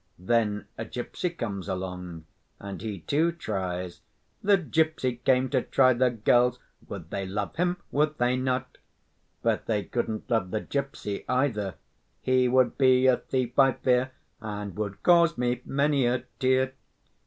Then a gypsy comes along and he, too, tries: The gypsy came to try the girls: Would they love him, would they not? But they couldn't love the gypsy either: He would be a thief, I fear, And would cause me many a tear.